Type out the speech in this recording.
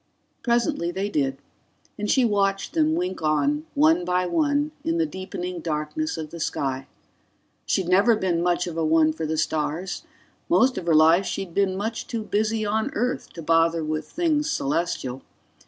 Presently they did, and she watched them wink on, one by one, in the deepening darkness of the sky. She'd never been much of a one for the stars; most of her life she'd been much too busy on Earth to bother with things celestial.